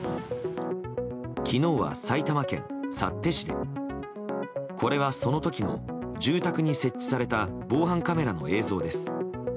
昨日は埼玉県幸手市で、これはその時の住宅に設置された防犯カメラの映像です。